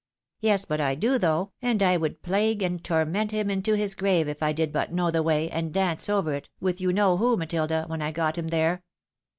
" Yes, but I do, though ; and I would plague and torment him into his grave if I did but know the way, and dance over it, with you know who, Matilda, when I had got him there.